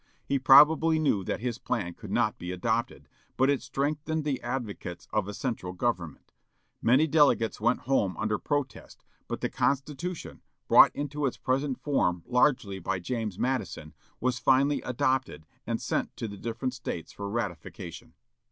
He probably knew that his plan could not be adopted, but it strengthened the advocates of a central government. Many delegates went home under protest; but the Constitution, brought into its present form largely by James Madison, was finally adopted, and sent to the different States for ratification.